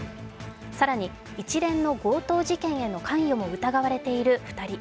更に、一連の強盗事件への関与も疑われている２人。